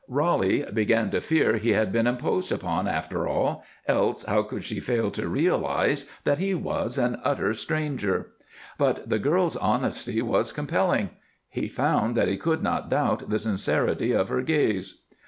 Roly began to fear he had been imposed upon, after all, else how could she fail to realize that he was an utter stranger? But the girl's honesty was compelling; he found that he could not doubt the sincerity of her gaze.